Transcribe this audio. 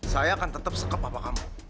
saya akan tetep sekep papa kamu